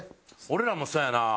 俺らもそうやな。